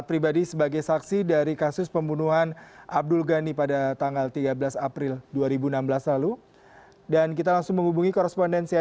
pada waktu wadik winda yang disampaikan itu kepada saudara ada orang lain yang mendengar